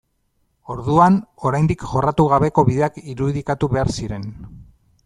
Orduan, oraindik jorratu gabeko bideak irudikatu behar ziren.